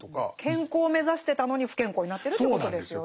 健康を目指してたのに不健康になってるっていうことですよね。